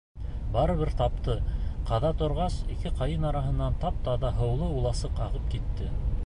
Барыбер тапты, ҡаҙа торғас, ике ҡайын араһынан тап-таҙа һыулы уласыҡ ағып китте.